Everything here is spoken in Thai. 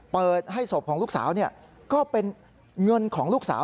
เปิดให้ศพของลูกสาวก็เป็นเงินของลูกสาว